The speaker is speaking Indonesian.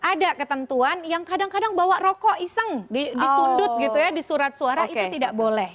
ada ketentuan yang kadang kadang bawa rokok iseng di sudut gitu ya di surat suara itu tidak boleh